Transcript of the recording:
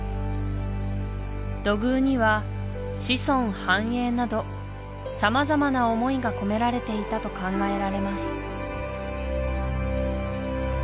土偶には子孫繁栄など様々な思いが込められていたと考えられます